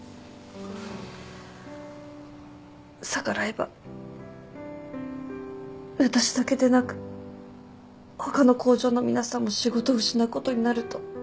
逆らえば私だけでなく他の工場の皆さんも仕事を失うことになると